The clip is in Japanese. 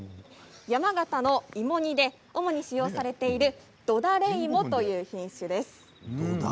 山形の芋煮で主に使用されている土垂れ芋という品種です。